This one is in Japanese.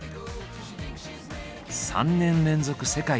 ３年連続世界